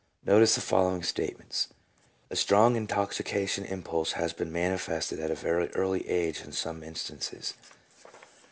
Notice the following statements: —" A strong intoxication impulse has been manifested at a very early age in some instances.